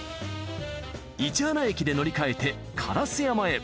市塙駅で乗り換えて烏山へ。